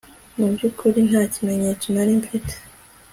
mu byukuri nta kimenyetso nari mfite